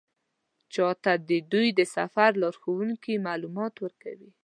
چا ته د دوی د سفر لارښوونکي معلومات ورکوي.